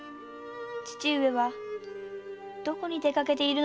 父上はどこに出かけているのでしょう。